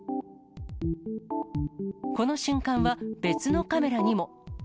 この瞬間は別のカメラにも。